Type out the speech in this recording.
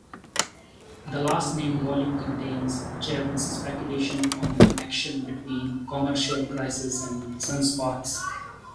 The last-named volume contains Jevons' speculations on the connection between commercial crises and sunspots.